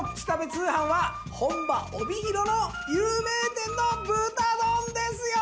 通販は本場帯広の有名店の豚丼ですよ！